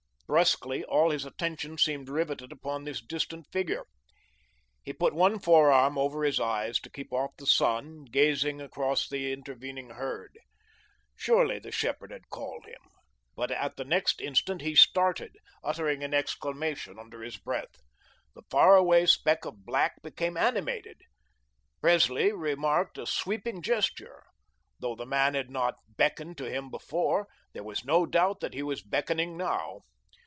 Brusquely, all his attention seemed riveted upon this distant figure. He put one forearm over his eyes, to keep off the sun, gazing across the intervening herd. Surely, the shepherd had called him. But at the next instant he started, uttering an exclamation under his breath. The far away speck of black became animated. Presley remarked a sweeping gesture. Though the man had not beckoned to him before, there was no doubt that he was beckoning now.